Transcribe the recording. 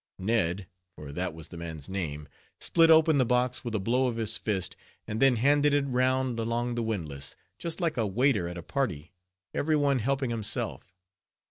Ned, for that was the man's name, split open the box with a blow of his fist, and then handed it round along the windlass, just like a waiter at a party, every one helping himself.